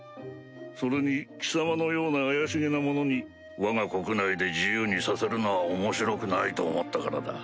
それに貴様のような怪しげな者にわが国内で自由にさせるのは面白くないと思ったからだ。